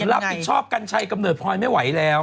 เราประมูลการช่อบกันชัยกำเนิดพลอยไม่ไหวแล้ว